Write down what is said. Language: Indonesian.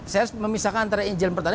saya memisahkan antara intelijen pertahanan